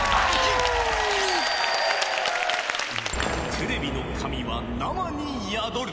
テレビの神は生に宿る。